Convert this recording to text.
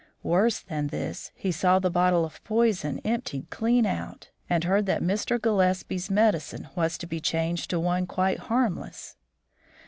Worse than this, he saw the bottle of poison emptied clean out, and heard that Mr. Gillespie's medicine was to be changed to one quite harmless.